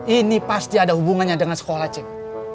ini pasti ada hubungannya dengan sekolah cek